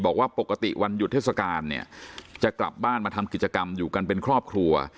บอกว่าปกติวันหยุดเทศกาลเนี่ยจะกลับบ้านมาทำกิจกรรมอยู่กันเป็นครอบครัว